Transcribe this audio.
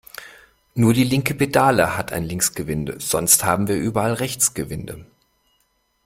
Nur die linke Pedale hat ein Linksgewinde, sonst haben wir überall Rechtsgewinde.